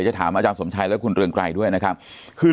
เจอถามอาจารย์สมชัยเลือกขึ้นเรียงไกลด้วยนะค่ะคือ